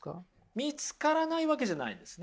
見つからないわけじゃないんですね。